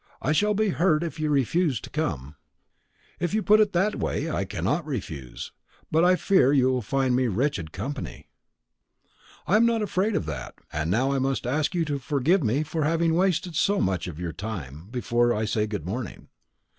I shall be hurt if you refuse to come." "If you put it in that way, I cannot refuse; but I fear you will find me wretched company." "I am not afraid of that. And now I must ask you to forgive me for having wasted so much of your time, before I say good morning."